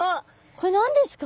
これ何ですか？